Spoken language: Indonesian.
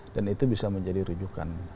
dan itu bisa menjadi rujukan